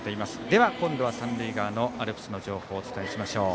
では今度は三塁側のアルプスの情報をお伝えしましょう。